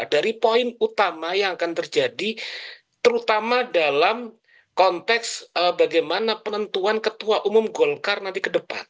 dari poin utama yang akan terjadi terutama dalam konteks bagaimana penentuan ketua umum golkar nanti ke depan